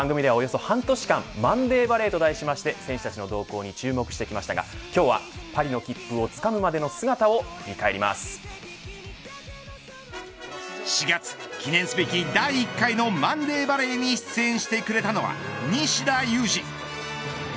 そして番組でおよそ半年マンデーバレーと題して選手たちの動向に注目しましたが今日はパリの切符をつかむまでの姿を４月、記念すべき第１回のマンデーバレーに出演してくれたのは西田有志。